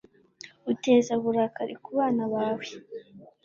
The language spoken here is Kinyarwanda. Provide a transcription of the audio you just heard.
uteza uburakari ku bana bawe